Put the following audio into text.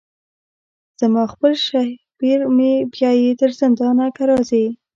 زما خپل شهپر مي بیايي تر زندانه که راځې